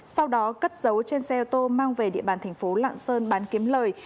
sau đó cất dấu trên xe ô tô mang về địa bàn tp lạng sơn bán kiếm lời